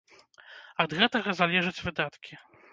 Ад гэтага залежаць выдаткі.